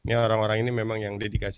ya orang orang ini memang yang dedikasi